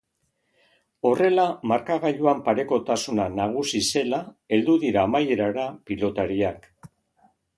Horrela, markagailuan parekotasuna nagusi zela heldu dira amaierara pilotariak.